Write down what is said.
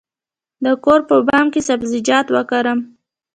د کور په بام کې سبزیجات وکرم؟